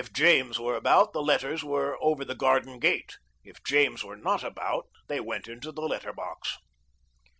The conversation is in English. If James were about, the letters went over the garden gate; if James were not about, they went into the letter box.